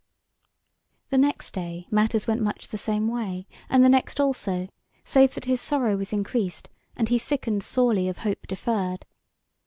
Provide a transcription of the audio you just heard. The next day matters went much the same way, and the next also, save that his sorrow was increased, and he sickened sorely of hope deferred.